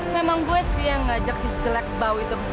memang gue sih yang ngajak si jelek bau itu